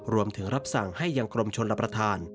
รวมถึงรับสั่งให้ยังกรมชนรับประทาน